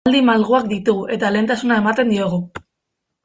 Lanaldi malguak ditugu eta lehentasuna ematen diogu.